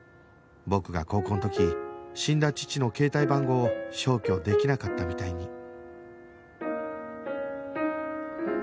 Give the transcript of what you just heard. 僕が高校の時死んだ父の携帯番号を消去できなかったみたいに